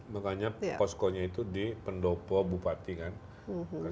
makanya posko nya itu di pendopo bupati kan